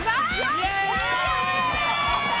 イエーイ！